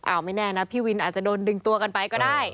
เอาไม่แน่นะพี่วินอาจจะโดนดึงตัวกันไปก็ได้